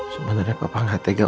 sebenarnya papa gak tegang